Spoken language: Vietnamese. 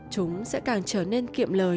chúng sẽ càng trở nên kiệm lời